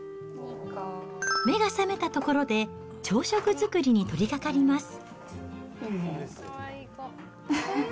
目が覚めたところで朝食作りに取りかかります。